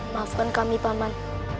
maafkan kami paman